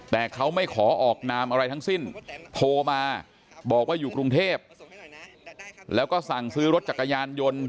แต่เขาไม่ขอออกนามอะไรทั้งสิ้นโทรมาบอกว่าอยู่กรุงเทพแล้วก็สั่งซื้อรถจักรยานยนต์